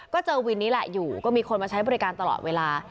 ก็เจอวินนี้แหละอยู่ก็มีคนมาใช้บริการตลอดเวลา